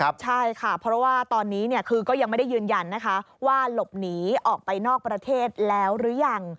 ใช่ค่ะเพราะว่าตอนนี้คือก็ยังไม่ได้ยืนยันนะคะว่าหลบหนีออกไปนอกประเทศแล้วหรือยัง